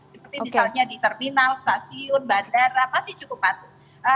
seperti misalnya di terminal stasiun bandara masih cukup patuh